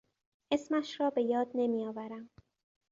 اسمش را به یاد نمی آورم.